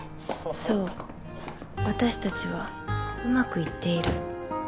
そう私たちはうまくいっている。